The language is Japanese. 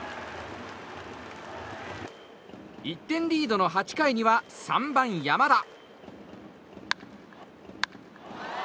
１点リードの８回には３番、山田。